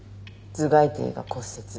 頭蓋底が骨折。